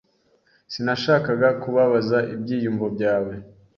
Sinashakaga kubabaza ibyiyumvo byawe.